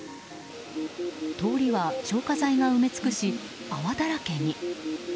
通りは消火剤が埋め尽くし泡だらけに。